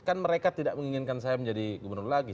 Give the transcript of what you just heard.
kan mereka tidak menginginkan saya menjadi gubernur lagi